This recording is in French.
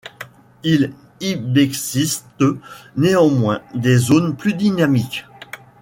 Il ybexiste néanmoins des zones plus dynamiques.